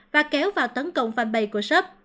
và kéo vào tấn công fanpage của shop